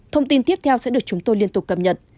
thông tin tiếp theo sẽ được chúng tôi liên tục cập nhật